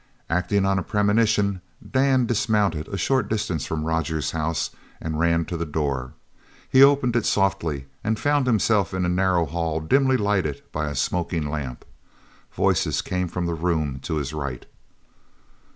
Acting upon a premonition, Dan dismounted a short distance from Rogers's house and ran to the door. He opened it softly and found himself in a narrow hall dimly lighted by a smoking lamp. Voices came from the room to his right.